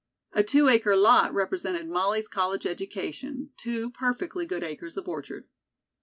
A two acre lot represented Molly's college education two perfectly good acres of orchard.